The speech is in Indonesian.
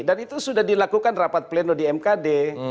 dan itu sudah dilakukan rapat pleno di mkd